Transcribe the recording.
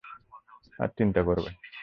তারা চিন্তা করবে।